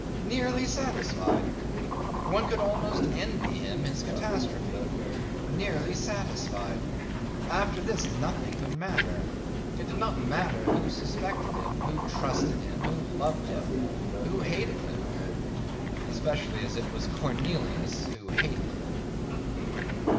Nearly satisfied. One could almost envy him his catastrophe. Nearly satisfied. After this nothing could matter. It did not matter who suspected him, who trusted him, who loved him, who hated him especially as it was Cornelius who hated him.